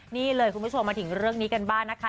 นี่เลยคุณผู้ชมมาถึงเรื่องนี้กันบ้างนะคะ